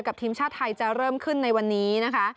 ทีมชาติไทยจะเริ่มขึ้นในวันนี้นะคะ